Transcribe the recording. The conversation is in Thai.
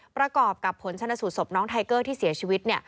ประกอบกับผลชนสูตรศพน้องไทเกอร์ที่เสียชีวิต